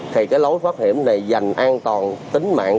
thì cái lối thoát hiểm này dành an toàn